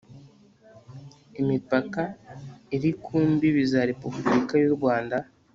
imipaka iri ku mbibi za repubulika y'u rwanda